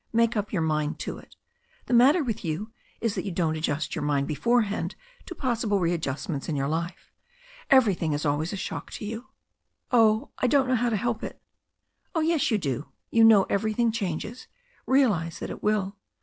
Make up your mind to it. The matter with you is that you don't adjust your mind beforehand to possible readjustments in your life. Everything is always a shock to you." "I don't know how to help it." "Oh, yes, you do. You know everything changes. Realize that it will.